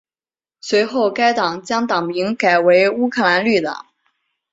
随后该党将党名改为乌克兰绿党。